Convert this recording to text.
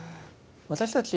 私たち